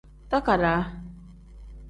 Takadaa.